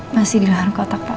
masih di lahan kotak pak